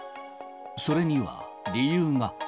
それには理由が。